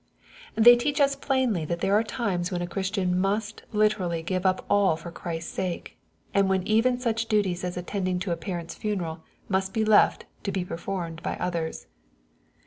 — They teach us plainly that there are times when a Christian must literally give up all for Christ's sake, and when even such duties as attending to a parent's funeral must be left to be performed by others.